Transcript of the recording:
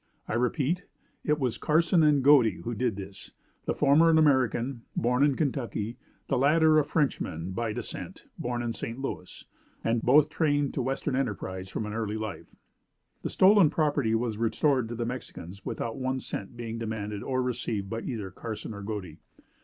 I repeat: it was Carson and Godey who did this the former an American, born in Kentucky; the latter a Frenchman by descent, born in St. Louis; and both trained to western enterprise from early life." The stolen property was restored to the Mexicans without one cent being demanded or received by either Carson or Godey.